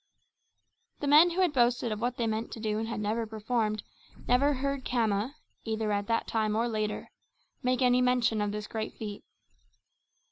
The men who had boasted of what they meant to do and had never performed, never heard Khama either at that time or later make any mention of this great feat.